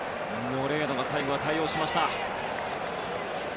モレーノが最後は対応しました。